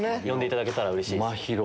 呼んでいただけたらうれしいです。